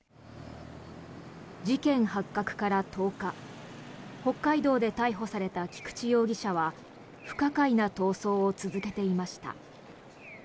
事件発覚から１０日北海道で逮捕された菊池容疑者は不可解な逃走を続けていました。